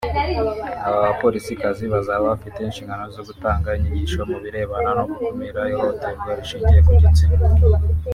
Aba bapolisikazi bazaba bafite inshingano zo gutanga inyigisho mu birebana no gukumira ihohoterwa rishingiye ku gitsina